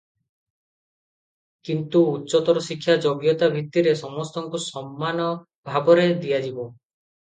କିନ୍ତୁ ଉଚ୍ଚତର ଶିକ୍ଷା ଯୋଗ୍ୟତା ଭିତ୍ତିରେ ସମସ୍ତଙ୍କୁ ସମାନ ଭାବରେ ଦିଆଯିବ ।